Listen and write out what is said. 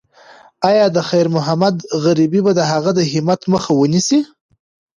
ایا د خیر محمد غریبي به د هغه د همت مخه ونیسي؟